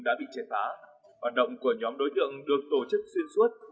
đã bị triệt phá hoạt động của nhóm đối tượng được tổ chức xuyên suốt